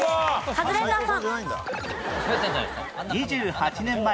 カズレーザーさん。